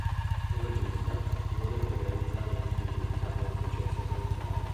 Un regista vorrebbe realizzare un film che abbia un successo planetario.